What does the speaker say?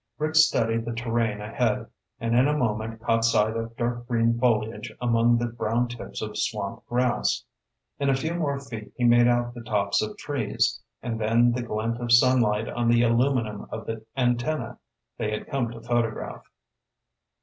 Rick studied the terrain ahead, and in a moment caught sight of dark green foliage among the brown tips of swamp grass. In a few more feet he made out the tops of trees, and then the glint of sunlight on the aluminum of the antenna they had come to photograph.